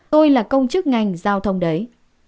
tôi là công chức ngành giao thông đấy